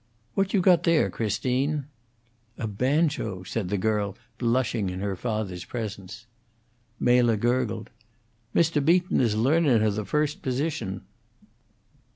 "What you got there, Christine?" "A banjo," said the girl, blushing in her father's presence. Mela gurgled. "Mr. Beaton is learnun' her the first position."